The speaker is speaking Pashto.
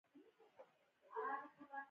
د زړه ناسم عادتونه زیانمنوي.